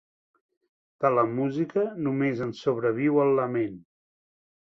De la música només en sobreviu el lament.